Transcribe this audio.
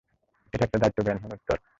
এটা একটা দায়িত্বজ্ঞানহীন উত্তর।